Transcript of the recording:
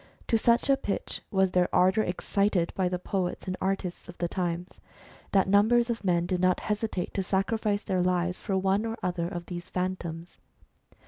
To such a pitch was their ardour excited by the poets and artists of the times, that numbers of men did not hesitate to sacrifice their lives to one or other of these Phantoms.